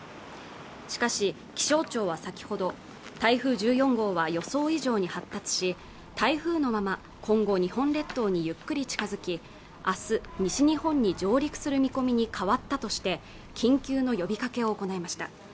しかし気象庁は先ほど台風１４号は予想以上に発達し台風のまま今後、日本列島にゆっくり近づきあす西日本に上陸する見込みに変わったとして緊急の呼びかけを行いました